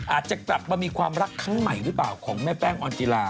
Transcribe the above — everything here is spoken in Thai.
อาจจะกลับมามีความรักครั้งใหม่หรือเปล่าของแม่แป้งออนจิลา